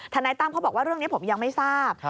นายตั้มเขาบอกว่าเรื่องนี้ผมยังไม่ทราบ